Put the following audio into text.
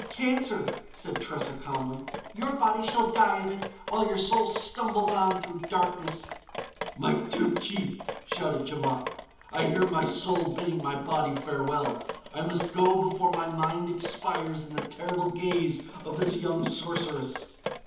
"Cancer," said Tressa calmly. "Your body shall die of it while your soul stumbles on through darkness." "My Tougtchi!" shouted Djamouk, "I hear my soul bidding my body farewell! I must go before my mind expires in the terrible gaze of this young sorceress!"